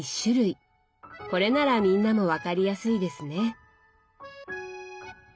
これならみんなも分かりやすいですね。